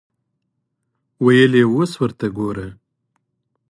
ویل یې اوس ورته ګوره.